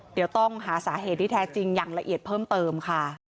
เดี๋ยวต้องหาสาเหตุที่แท้จริงอย่างละเอียดเพิ่มเติมค่ะ